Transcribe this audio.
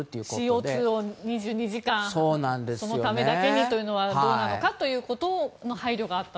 ＣＯ２を２２時間そのためだけにというのはどうなのかということの配慮があったと。